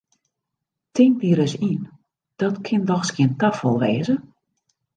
Tink dy ris yn, dat kin dochs gjin tafal wêze!